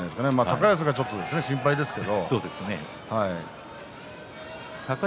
高安がちょっと心配ですが。